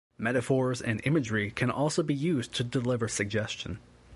Metaphors and imagery can also be used to deliver suggestion.